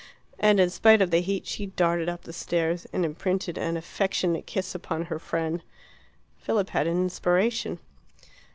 And in spite of the heat she darted up the stairs and imprinted an affectionate kiss upon her friend. Philip had an inspiration.